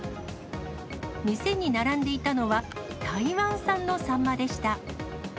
店に並んでいたのは、台湾産のサンマでした。